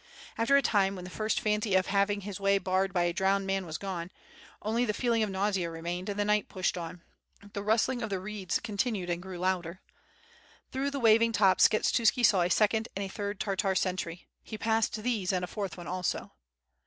After a time when the first fancy of having his way barred by a' drowned man was gone, only the feeling of nausea re mained, and the knight pushed on. The rustling of the reeds contiued and grew louder. Through the waving tops Skshetuski saw a second and a third Tartar sentry. He passed these and a fourth one also.